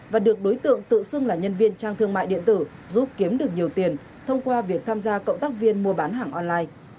và được đối tượng tự xưng là nhân viên trang thương mại điện tử giúp kiếm được nhiều tiền thông qua việc tham gia cộng tác viên mua bán hàng online